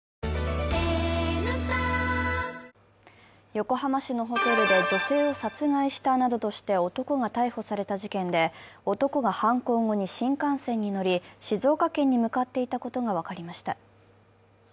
横浜市のホテルで女性を殺害したなどとして男が逮捕された事件で男が犯行後に新幹線に乗り、静岡県に向かっていたことが分かりました。